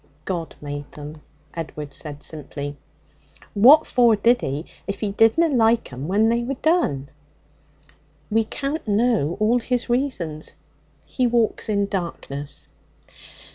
'God made them,' Edward said simply. 'What for did He, if He didna like 'em when they were done?' 'We can't know all His reasons; He walks in darkness.'